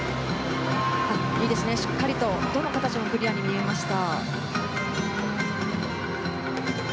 しっかりとどの形もクリアに見えました。